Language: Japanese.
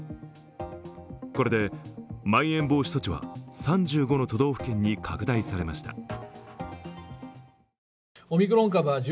これでまん延防止措置は３５の都道府県に拡大されました。